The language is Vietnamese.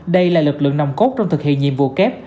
đây là lực lượng nồng cốt trong thực hiện nhiệm vụ kép